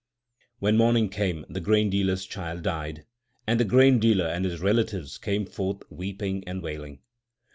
2 When morning came, the grain dealer s child died, and the grain dealer and his relatives came forth weeping and wailing.